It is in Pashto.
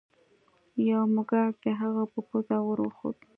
یو موږک د هغه په پوزه ور وخوت.